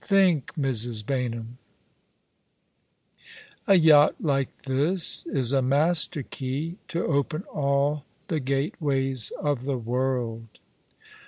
Think, Mrs. Baynham ! A yacht like this is a master key to open all the gateways of the world."